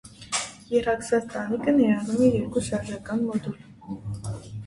Եռակցված տանիքը ներառում է երկու շարժական մոդուլ։